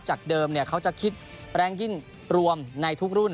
จากเดิมเนี่ยเขาจะคิดแรงกิ้นรวมในทุกรุ่น